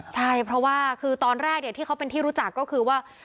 ใช่เพราะว่าคือตอนแรกที่เขาเป็นที่รู้จักก็คือว่า